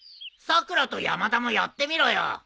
さくらと山田もやってみろよ。